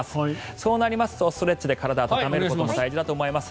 そうなりますとストレッチで体を温めることも大事だと思います。